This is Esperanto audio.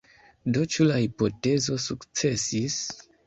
Do ĉu la hipotezo sukcesis?